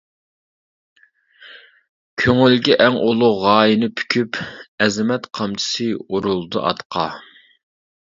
كۆڭلىگە ئەڭ ئۇلۇغ غايىنى پۈكۈپ، ئەزىمەت قامچىسى ئۇرۇلدى ئاتقا.